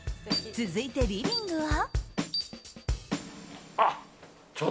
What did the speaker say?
続いてリビングは。